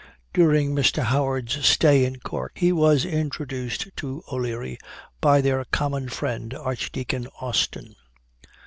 During Mr. Howard's stay in Cork, he was introduced to O'Leary by their common friend, Archdeacon Austen.